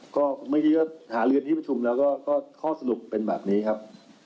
ก็เมื่อกี้ก็หาลือที่ประชุมแล้วก็ข้อสรุปเป็นแบบนี้ครับ